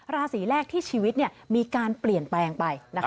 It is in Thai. ราศีแรกที่ชีวิตมีการเปลี่ยนแปลงไป